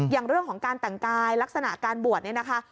อย่างเรื่องของการแต่งกายลักษณะการบวชเนี่ยนะคะ